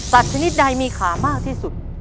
ชนิดใดมีขามากที่สุด